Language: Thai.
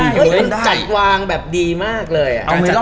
มันจัดวางแบบดีมากเลย